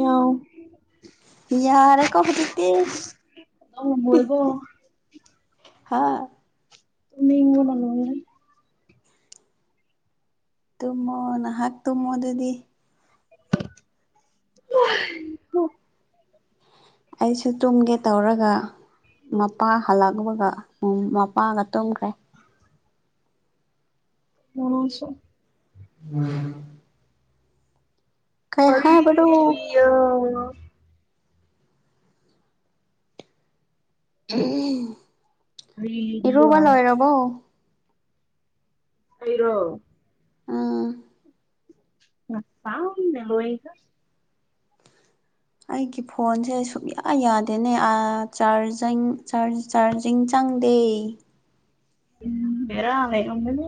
ꯌꯥꯎ ꯌꯥꯔꯦ ꯀꯣ ꯍꯧꯖꯤꯛꯇꯤ ꯇꯧꯔꯝꯃꯣꯏꯀꯣ ꯍꯥꯥ ꯇꯨꯝꯅꯤꯡꯕꯅ ꯂꯣꯏꯔꯦꯍꯦ ꯇꯨꯝꯃꯣ ꯅꯍꯥꯛ ꯇꯨꯝꯃꯣ ꯑꯗꯨꯗꯤ [unintelligible] ꯑꯩꯁꯨ ꯇꯨꯝꯒꯦ ꯇꯧꯔꯒ ꯃꯄꯥ ꯍꯜꯂꯛꯕꯒ ꯃꯄꯥꯒ ꯇꯨꯝꯈ꯭ꯔꯦ ꯃꯁꯨ ꯎꯝ ꯍꯥꯏꯕꯅꯣ [unintelligible] ꯎꯝ ꯂꯤꯕꯤꯌꯣ ꯏꯔꯨꯕ ꯍꯥꯏꯔꯒ ꯂꯣꯏꯔꯕꯣ ꯑꯩꯔꯣ ꯎꯝ ꯉꯁꯥꯏꯅ ꯂꯣꯏꯈꯔ꯭ꯦ ꯑꯩꯒꯤ ꯐꯣꯟꯁꯦ ꯁꯨꯡꯌꯥ ꯌꯥꯗꯦꯅꯦ ꯆꯥꯔꯖ ꯆꯥꯔꯖꯤꯡ ꯆꯪꯗꯦ ꯎꯝ ꯕꯦꯔꯥ ꯂꯩꯔꯝꯒꯅꯤ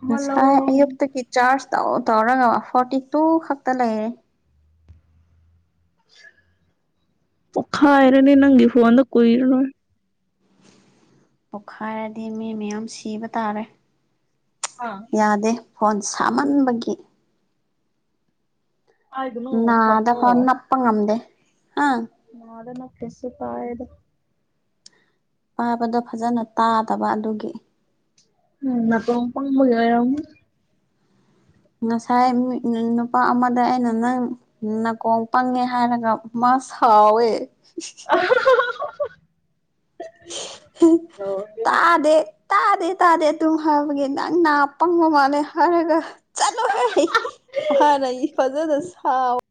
ꯑꯃ ꯉꯁꯥꯏ ꯂꯧꯔꯣ ꯑꯌꯨꯛꯇꯒꯤ ꯆꯥꯔꯖ ꯇꯧ ꯇꯧꯔꯒ ꯐꯣꯔꯇꯤ ꯇꯨ ꯈꯛꯇ ꯂꯩꯔꯦ ꯄꯣꯈꯥꯏꯔꯅꯤ ꯅꯪꯒꯤ ꯐꯣꯟꯗ ꯀꯨꯏꯔꯔꯣꯏ ꯄꯣꯛꯈꯥꯏꯔꯗꯤ ꯃꯤ ꯃꯌꯥꯝ ꯁꯤꯕ ꯇꯥꯔꯦ ꯑꯥ ꯌꯥꯗꯦ ꯐꯣꯟ ꯁꯥꯃꯟꯕꯒꯤ ꯍꯥꯏꯥꯏꯗꯅꯨ ꯊꯃꯣ ꯄꯥ ꯉꯝꯗꯦ ꯍꯥ ꯅꯗꯅ ꯀꯁꯤ ꯀꯥꯏꯗ [inaudible] ꯄꯥꯕꯗꯣ ꯐꯖꯅ ꯇꯥꯗꯕ ꯑꯗꯨꯒꯤ ꯎꯝ ꯑ ꯐꯥꯎꯝꯕꯔ [inaudible] ꯉꯁꯥꯏ ꯅꯨꯄꯥ ꯑꯃꯗ ꯑꯩꯅ ꯅꯪ ꯅꯥꯀꯣꯡ ꯄꯪꯉꯦ ꯍꯥꯏꯔꯒ ꯃꯥ ꯁꯥꯎꯋꯦ ꯍ [inaudible] ꯇꯥꯗꯦ ꯇꯥꯗꯦ ꯇꯥꯗꯦ ꯑꯗꯨꯨꯝ ꯍꯥꯏꯕꯒꯤ ꯅꯪ ꯅꯥ ꯄꯪꯕ ꯃꯥꯜꯂꯦ ꯍꯥꯏꯔꯒ ꯆꯠꯂꯣ ꯍꯦ ꯍꯥꯏꯅ ꯐꯖꯅ ꯁꯥꯥꯎ